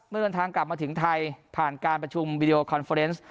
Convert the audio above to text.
เดินทางกลับมาถึงไทยผ่านการประชุมวิดีโอคอนเฟอร์เนส